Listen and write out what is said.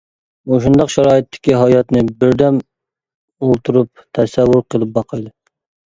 مۇشۇنداق شارائىتتىكى ھاياتنى بىر دەم ئولتۇرۇپ تەسەۋۋۇر قىلىپ باقايلى.